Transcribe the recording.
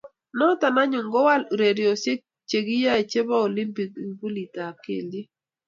Noto anyun Kowal ureriosiek chekiyae chebo olimpik kipulitab kelyek